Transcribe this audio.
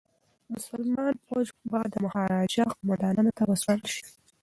مسلمان فوج به د مهاراجا قوماندانانو ته وسپارل شي.